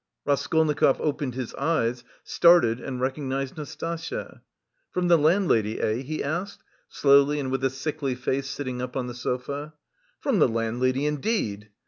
Raskolnikov opened his eyes, started and recognised Nastasya. "From the landlady, eh?" he asked, slowly and with a sickly face sitting up on the sofa. "From the landlady, indeed!"